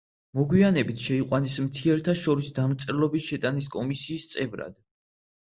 მოგვიანებით შეიყვანეს მთიელთა შორის დამწერლობის შეტანის კომისიის წევრად.